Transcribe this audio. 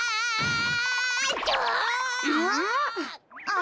あ。